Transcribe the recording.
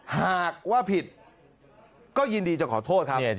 หากว่าผิดก็ยินดีจะขอโทษครับ